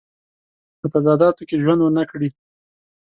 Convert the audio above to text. په تضاداتو کې ژوند ونه کړي.